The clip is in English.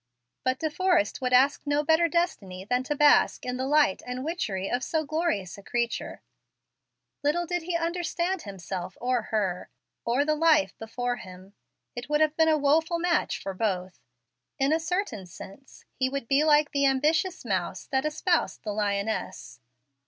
But De Forrest would ask no better destiny than to bask in the light and witchery of so glorious a creature. Little did he understand himself or her, or the life before him. It would have been a woful match for both. In a certain sense he would be like the ambitious mouse that espoused the lioness.